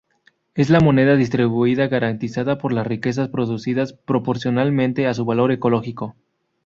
Es la moneda distributiva garantizada por las riquezas producidas, proporcionalmente a su valor ecológico.